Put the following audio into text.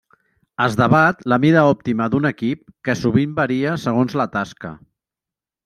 Es debat la mida òptima d'un equip, que sovint varia segons la tasca.